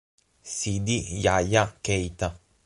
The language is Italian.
Sidi Yaya Keita